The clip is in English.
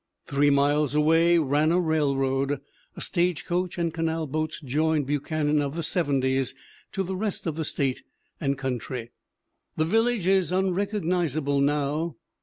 Three miles away ran a railroad. A stage coach and canal boats joined Bu chanan of the '705 to the rest of the State and coun try. The village is unrecognizable now.